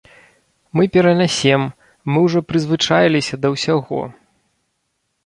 Мы перанясем, мы ўжо прызвычаіліся да ўсяго.